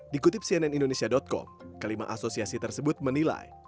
dikutip cnn indonesia com kelima asosiasi tersebut menilai